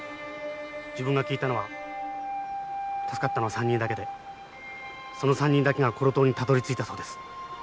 自分が聞いたのは助かったのは３人だけでその３人だけがコロ島にたどりついたそうです。